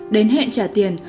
đến hẹn trả tiền